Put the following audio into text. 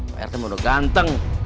prt menurut ganteng